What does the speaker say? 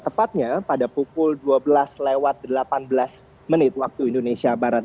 tepatnya pada pukul dua belas lewat delapan belas menit waktu indonesia barat